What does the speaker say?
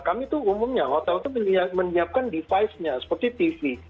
kami tuh umumnya hotel itu menyiapkan device nya seperti tv